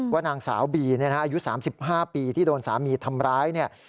ว่านางสาวบีอายุ๓๕ปีที่โดนสามีทำร้ายเนี่ย